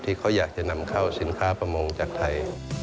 ที่เขาอยากจะนำเข้าสินค้าประมงจากไทย